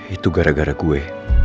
itu gara gara gue